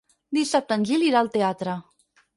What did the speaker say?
Dissabte en Gil irà al teatre.